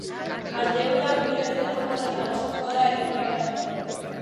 Asteburuan giro ezegonkorra nagusituko da eta euria botako du.